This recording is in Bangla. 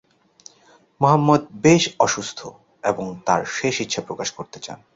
মুহম্মদ বেশ অসুস্থ এবং তার শেষ ইচ্ছা প্রকাশ করতে চান।